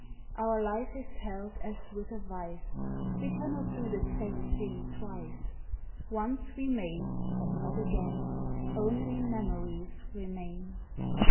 Our life is held as with a vice, We cannot do the same thing twice; Once we may, but not again; Only memories remain.